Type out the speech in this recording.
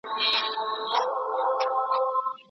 ته به هم بچو ته کیسې وکړې د ځوانۍ